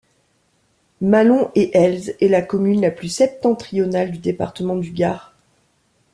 Malons-et-Elze est la commune la plus septentrionale du département du Gard.